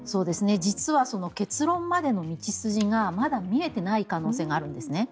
実は結論までの道筋がまだ見えていない可能性があるんですね。